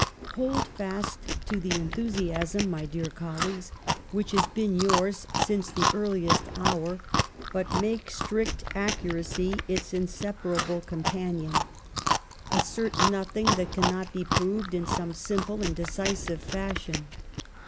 ''Hold fast to the enthusiasm, my dear col laborators, which has been yours since the ear liest hour, but make strict accuracy its insep THE PASTEUR INSTITUTE 181 arable companion. Assert nothing that cannot be proved in some simple and decisive fashion.